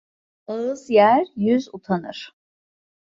Ağız yer yüz utanır.